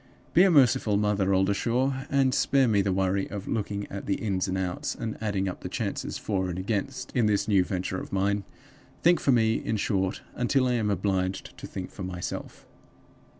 Be a merciful Mother Oldershaw, and spare me the worry of looking at the Ins and Outs, and adding up the chances For and Against, in this new venture of mine. Think for me, in short, until I am obliged to think for myself.